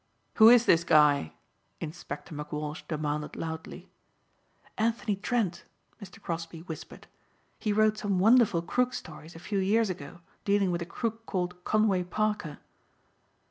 "Who is this guy?" Inspector McWalsh demanded loudly. "Anthony Trent," Mr. Crosbeigh whispered. "He wrote some wonderful crook stories a few years ago dealing with a crook called Conway Parker."